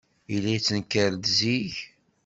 Yella yettenkar-d zik.